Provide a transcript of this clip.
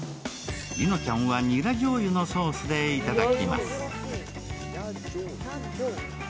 璃乃ちゃんは、にらじょうゆのソースでいただきます。